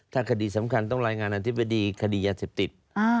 ถ้าคดีสำคัญต้องรายงานอธิบดีคดียาเสพติด